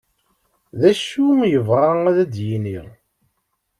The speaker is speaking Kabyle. D acu i yebɣa ad d-yini?